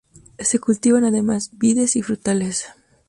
Se cultivan además vides y frutales.